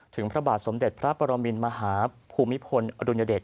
พระบาทสมเด็จพระปรมินมหาภูมิพลอดุญเดช